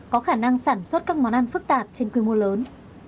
có khả năng sản xuất các món ăn phức tạp trên quy mô lớn